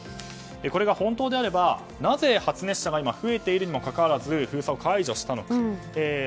これが本当であればなぜ発熱者が今、増えているにもかかわらず封鎖を解除したのか。